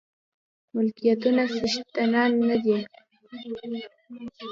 ملکيتونو څښتنان نه دي.